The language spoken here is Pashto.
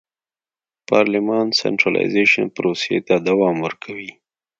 پارلمان سنټرالیزېشن پروسې ته دوام ورکړ.